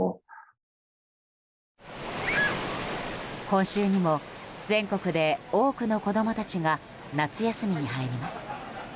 今週にも全国で多くの子供たちが夏休みに入ります。